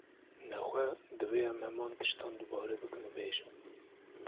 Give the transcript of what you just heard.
Nexwe, divê em heman tiştan dubare bikin û bêjin